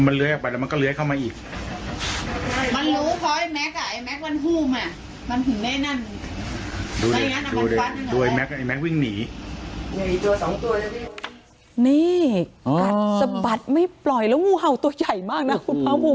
นี่กัดสะบัดไม่ปล่อยแล้วงูเห่าตัวใหญ่มากนะคุณภาคภูมิ